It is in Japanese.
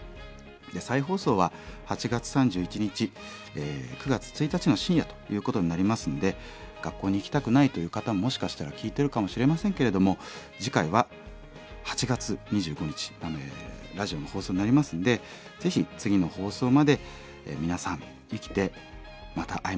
再放送は８月３１日９月１日の深夜ということになりますんで学校に行きたくないという方ももしかしたら聴いてるかもしれませんけれども次回は８月２５日がラジオの放送になりますんでぜひ次の放送まで皆さん生きてまた会いましょう。